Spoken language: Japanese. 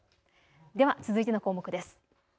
では続いての項目です。